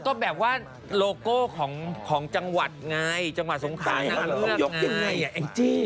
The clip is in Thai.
ก็แบบว่าโลโก้ของจังหวัดไงจังหวัดสงครานางเงือกไง